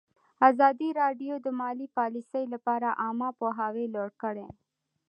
ازادي راډیو د مالي پالیسي لپاره عامه پوهاوي لوړ کړی.